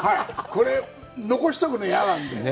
これ残しておくの嫌なんで。